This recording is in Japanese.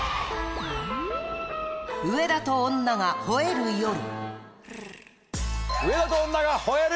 『上田と女が吠える夜』！